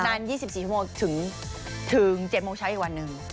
นาน๒๔ชั่วโมงถึง๗โมงเช้าอีกวันหนึ่ง